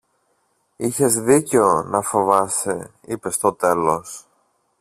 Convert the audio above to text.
Είχες δίκαιο να φοβάσαι, είπε στο τέλος